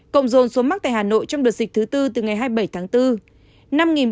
cộng dồn số mắc tại hà nội trong đợt dịch thứ tư từ ngày hai mươi bảy tháng bốn